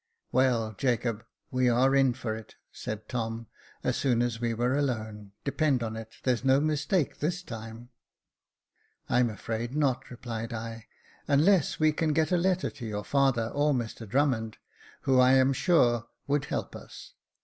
"Well, Jacob, we are in for it," said Tom, as soon as we were alone. " Depend upon it there's no mistake this time." ^^o Jacob Faithful " I am afraid not," replied I, " unless we can get a letter to your father, or Mr Drummond, who, I am sure, would help us.